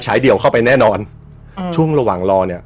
เดี่ยวเข้าไปแน่นอนอืมช่วงระหว่างรอเนี้ย